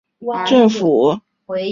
这一类还包括州政府和当地政府。